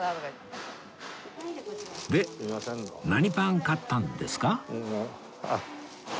で何パン買ったんですか？